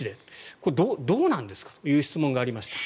これはどうなんですかという質問がありました。